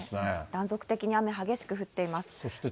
断続的に雨、激しく降っています。